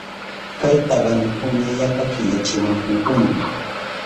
Kay tabanukuna yapa killachiwahunkuna.